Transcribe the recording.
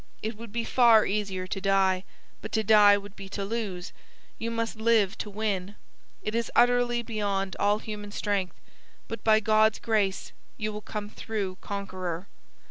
It would be far easier to die; but to die would be to lose; you must live to win. It is utterly beyond all human strength; but by God's grace you will come through conqueror.'